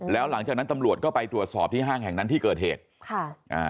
แล้วหลังจากนั้นตำรวจก็ไปตรวจสอบที่ห้างแห่งนั้นที่เกิดเหตุค่ะอ่า